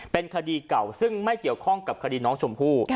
เป็นคดีเก่าซึ่งไม่เกี่ยวข้องกับคดีน้องชมพู่